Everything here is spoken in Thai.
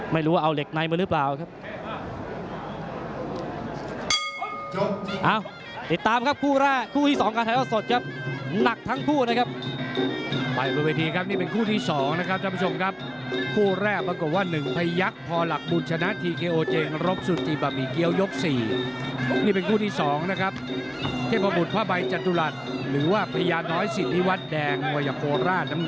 ไม่รู้ว่าเอาเหล็กในมาหรือเปล่าครับ